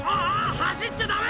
走っちゃダメ！